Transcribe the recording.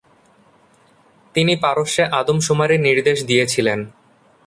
তিনি পারস্যে আদমশুমারির নির্দেশ দিয়েছিলেন।